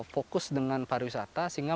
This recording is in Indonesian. fokus dengan pariwisata sehingga